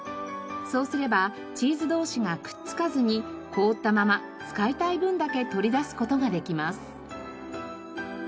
そうすればチーズ同士がくっつかずに凍ったまま使いたい分だけ取り出す事ができます。